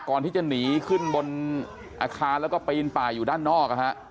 ก่อนที่จะหนีขึ้นบนอาคารแล้วก็ปีนป่าอยู่ด้านนอก